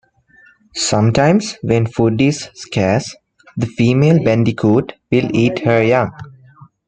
Sometimes when food is scarce, the female bandicoot will eat her young.